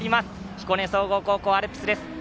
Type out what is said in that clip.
彦根総合高校のアルプスです。